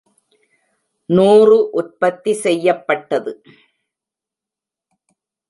நூறு உற்பத்தி செய்யப்பட்டது.